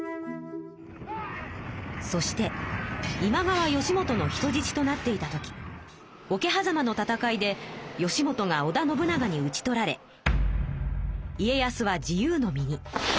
そして今川義元の人じちとなっていた時桶狭間の戦いで義元が織田信長にうち取られ家康は自由の身に。